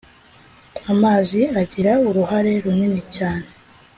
amazi agira uruhare runini cyane